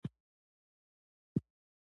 د سلکتا په نوم د اشرافو له خوا اداره کېده.